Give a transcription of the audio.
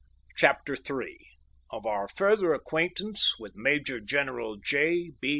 CHAPTER III. OF OUR FURTHER ACQUAINTANCE WITH MAJOR GENERAL J. B.